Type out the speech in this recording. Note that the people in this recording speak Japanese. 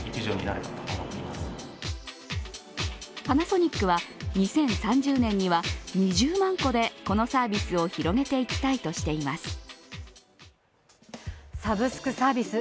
パナソニックは２０３０年には２０万戸でこのサービスを広げていきたいとしています。